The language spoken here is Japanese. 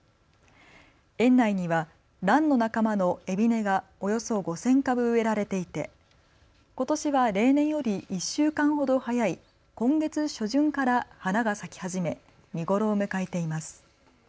園内にはランの仲間のエビネがおよそ５０００株植えられていてことしは例年より１週間ほど早い今月初旬から花が咲き始め見頃を迎えています。